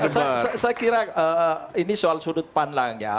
saya kira ini soal sudut pandang ya